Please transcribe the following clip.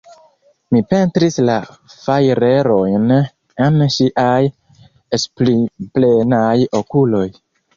Mi pentris la fajrerojn en ŝiaj esprimplenaj okuloj.